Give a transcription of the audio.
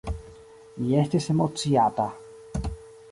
Mi estis emociata.